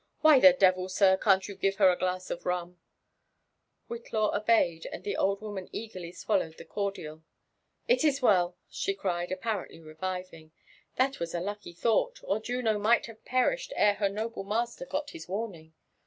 ''Why the devils sir, can't you give her a glass of ruo) ?" Whitlaw obeyed, and the old woman eagerly swallowed the cordial. '' It is well I " she cried, appar^ently reviYing. '* That was a lucky thought; or Juno might have perished ere her noble master gothif warning."